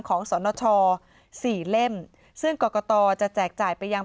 สนชสี่เล่มซึ่งกรกตจะแจกจ่ายไปยัง